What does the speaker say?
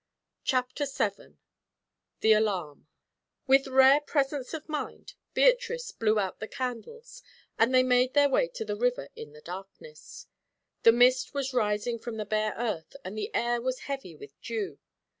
CHAPTER VII THE ALARM With rare presence of mind, Beatrice blew out the candles, and they made their way to the river in the darkness. The mist was rising from the bare earth and the air was heavy with dew.